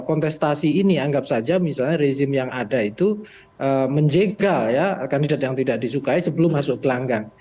kontestasi ini anggap saja misalnya rezim yang ada itu menjegal ya kandidat yang tidak disukai sebelum masuk pelanggang